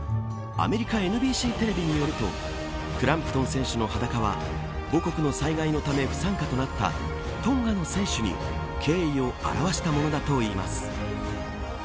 アメリカＮＢＣテレビによるとクランプトン選手の裸は母国の災害のため不参加となったトンガの選手に敬意を表したものだといいます。